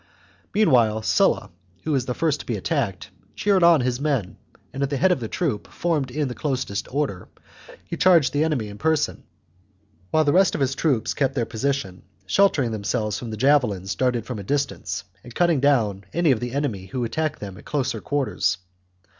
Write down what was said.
Meanwhile Sulla, who was the first to be attacked, cheered on his men, and at the head of a troop formed in the closest order, charged the enemy in person, while the rest of his soldiers kept their position, sheltering themselves from the javelins darted from a distance, and cutting down any of the enemy who attacked them at closer quarters.